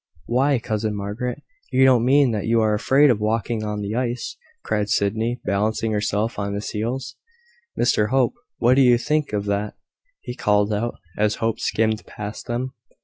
"Why, cousin Margaret, you don't mean that you are afraid of walking on the ice?" cried Sydney, balancing himself on his heels. "Mr Hope, what do you think of that?" he called out, as Hope skimmed past them.